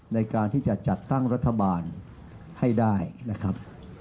ในการที่จะจัดตั้งรัฐบาลให้ได้นะครับ